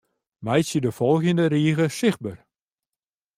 Meitsje de folgjende rige sichtber.